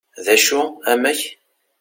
d acu amek?